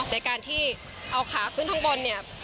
ในการที่เอาขาขึ้นข้างบนเนี่ย